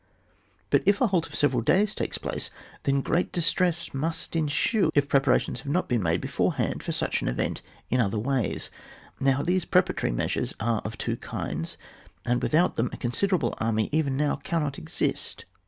But if a halt of several days takes place, then great distress must ensue if preparations have not been made before hand for such an event in other ways. Now these preparatory measures are of two kinds, and without them a consi derable army even now cannot exist.